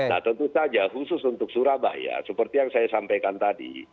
nah tentu saja khusus untuk surabaya seperti yang saya sampaikan tadi